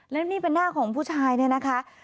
แล้วนี่เป็นหน้าของผู้ชายเนี่ยนะคะ